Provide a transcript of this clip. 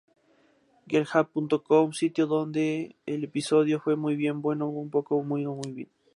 Gleehab.com sintió el episodio: "fue muy bueno, Un poco bueno, No muy bien".